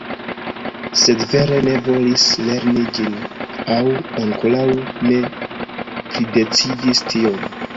Sed vere ne volis lerni ĝin aŭ ankoraŭ ne pridecidis tion